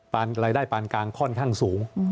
รายได้ปานกลางค่อนข้างสูง